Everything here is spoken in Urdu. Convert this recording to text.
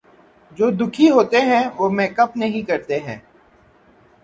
جو دکھی ھوتے ہیں وہ میک اپ نہیں کرتے ہیں